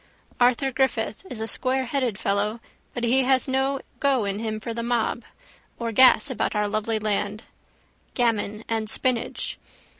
Arthur Griffith is a squareheaded fellow but he has no go in him for the mob. Or gas about our lovely land. Gammon and spinach.